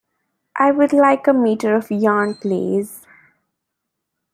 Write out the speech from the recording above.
I would like a meter of Yarn, please.